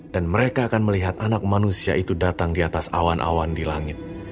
dan mereka akan melihat anak manusia itu datang di atas awan awan di langit